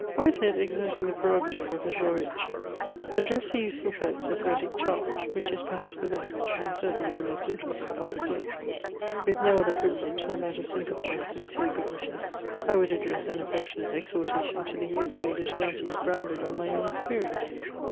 Whitehead exerting the prerogative of his laureateship addressed to youthful poets a poetic Charge, which is perhaps the best, and certainly the most interesting, of his works. With no other privilege than that of sympathy and sincere good wishes, I would address an affectionate exhortation to the youthful literati, grounded on my own experience.